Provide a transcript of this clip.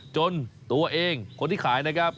จนตัวเองคนที่ขายนะครับ